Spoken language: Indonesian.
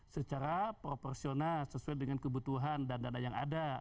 secara proporsional sesuai dengan kebutuhan dan dana yang ada